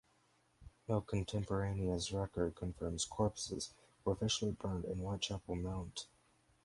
No contemporaneous record confirms corpses were officially buried in Whitechapel Mount.